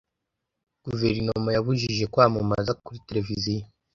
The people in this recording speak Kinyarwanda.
Guverinoma yabujije kwamamaza kuri televiziyo.